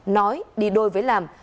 nói đi đôi với làm